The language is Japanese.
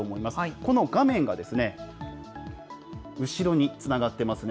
この画面が後ろにつながってますね。